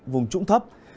vùng trũng thấp